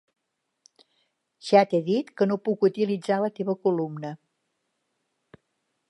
Ja t'he dit que no puc utilitzar la teva columna.